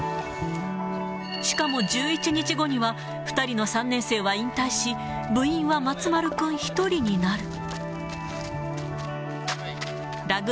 しかも１１日後には、２人の３年生は引退し、部員は松丸君１人になる。